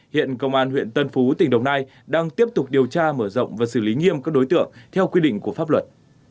hiện công an huyện tân phú tỉnh đồng nai đang tiếp tục điều tra mở rộng và xử lý nghiêm các đối tượng theo quy định của pháp luật